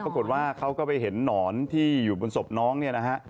ปรากฏว่าเขาก็ไปเห็นหนอนที่อยู่บนศพน้องเนี่ยนะฮะ